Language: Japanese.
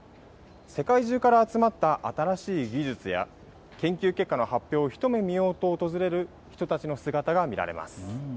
世界中から集まった新しい技術や研究結果の発表を一目見ようと訪れる人たちの姿が見られます。